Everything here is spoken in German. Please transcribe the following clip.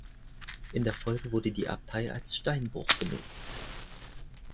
In der Folge wurde die Abtei als Steinbruch benutzt.